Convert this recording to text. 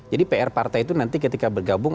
jadi pr partai itu nanti ketika bergabung